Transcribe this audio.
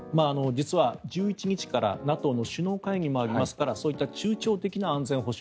実は１１日からＮＡＴＯの首脳会議もありますからそういった中長期的な安全保障